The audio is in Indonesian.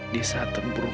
dia selalu membangkitkan aku